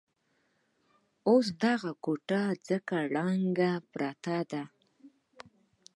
اوس دغه کوټې ځکه ړنګې پرتې دي.